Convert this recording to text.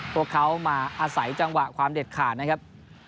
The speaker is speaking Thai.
พวกเขามาอาศัยจังหวะความเด็ดขาดนะครับ